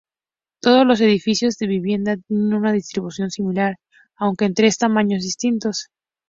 Todos los edificios de vivienda tienen una distribución similar, aunque en tres tamaños distintos.